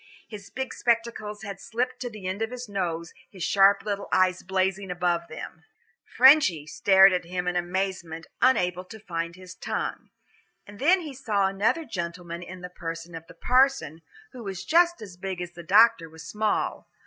His big spectacles had slipped to the end of his nose, his sharp little eyes blazing above them. "Frenchy" stared at him in amazement, unable to find his tongue. And then he saw another gentleman in the person of the parson, who was just as big as the doctor was small.